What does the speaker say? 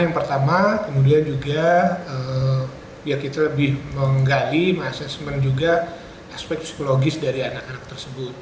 yang pertama kemudian juga biar kita lebih menggali aspek psikologis dari anak anak tersebut